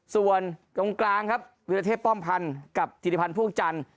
ส่วนตรงกลางครับวิรเทพป้อมพันธ์กับธิริพันธ์พ่วงจันทร์